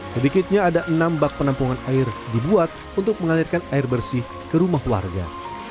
sedikitnya ada enam bak penampungan air dibuat untuk mengalirkan air bersih ke rumah warga